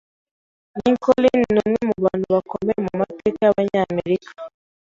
Lincoln numwe mubantu bakomeye mumateka yabanyamerika.